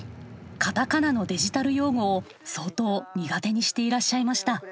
カタカナのデジタル用語を相当苦手にしていらっしゃいました。